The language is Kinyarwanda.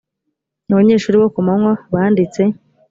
abanyeshuri bo ku manywa banditse